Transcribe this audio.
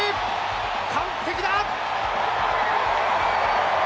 完璧だ！